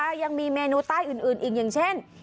มันยังมีแมนูใต้อื่นอย่างเช่น